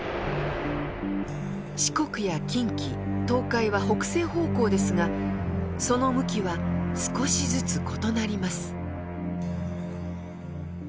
四国や近畿東海は北西方向ですがその向きは少しずつ異なります。